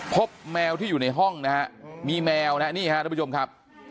แมวที่อยู่ในห้องนะฮะมีแมวนะฮะนี่ฮะทุกผู้ชมครับ